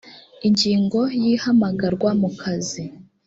ingingo ya ihamagarwa mu kazi